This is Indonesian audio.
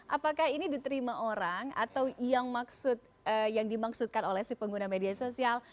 apakah ini diterima orang atau yang dimaksudkan oleh si pengguna media sosial